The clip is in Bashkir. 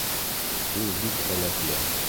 Ул бик һәләтле